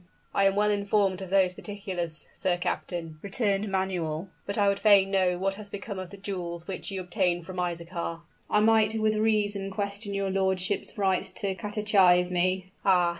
"I am well informed of those particulars, Sir Captain," returned Manuel; "but I would fain know what has become of the jewels which you obtained from Isaachar." "I might with reason question your lordship's right to catechise me " "Ah!